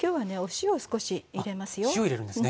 塩入れるんですね。